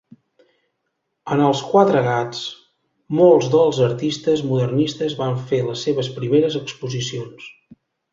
En Els Quatre Gats molts dels artistes modernistes van fer les seves primeres exposicions.